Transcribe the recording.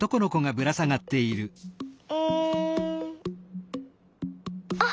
うん。あっ！